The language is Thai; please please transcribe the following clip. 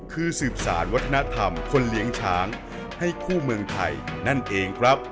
คือสืบสารวัฒนธรรมคนเลี้ยงช้างให้คู่เมืองไทยนั่นเองครับ